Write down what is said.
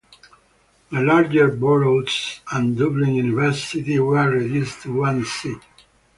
The larger Boroughs and Dublin University were reduced to one seat.